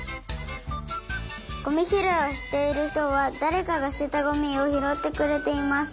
ゴミひろいをしているひとはだれかがすてたゴミをひろってくれています。